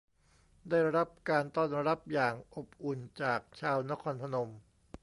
ได้รับการต้อนรับอย่างอบอุ่นจากชาวนครพนม